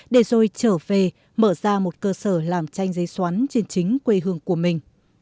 để rồi trở về mở ra một cơ sở làm tranh giấy xoắn trên chính quê hương của mình